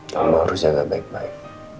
kamu harus jaga baik baik